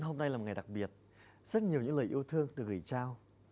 hôm nay là một ngày đặc biệt rất nhiều những lời yêu thương được gửi trao